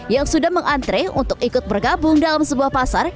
yang sudah mengantre untuk ikut bergabung dalam sebuah pasar